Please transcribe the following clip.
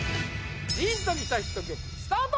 ジーンときたヒット曲スタート！